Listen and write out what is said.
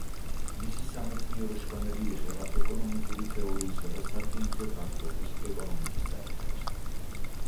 მისი სამეცნიერო შრომები ეხება ეკონომიკური თეორიისა და სარკინიგზო ტრანსპორტის ეკონომიკის საკითხებს.